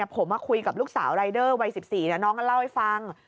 ผมคุยกับลูกสาวรายเดอร์วัย๑๔น้องก็เล่าให้ฟัง